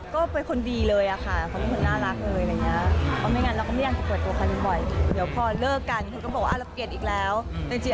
ก็เป็นคนดีเลยอะค่ะเขาเป็นคนน่ารักเลยอะไรอย่างนี้